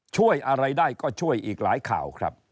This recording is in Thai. ช่วยอะไรได้ก็ช่วยอีกหลายข่าวครับ